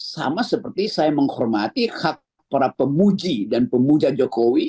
sama seperti saya menghormati hak para pemuji dan pemuja jokowi